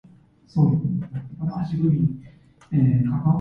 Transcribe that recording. Richard Rothfelder preceded him.